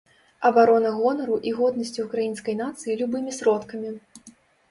Абарона гонару і годнасці ўкраінскай нацыі любымі сродкамі.